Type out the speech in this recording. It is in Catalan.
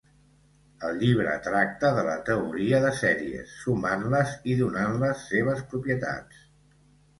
El llibre tracta de la teoria de sèries, sumant-les i donant les seves propietats.